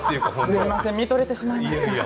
すいません見とれてしまいました。